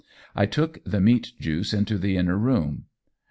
I took the meat juice into the inner room.